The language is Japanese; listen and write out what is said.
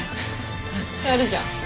やるじゃん。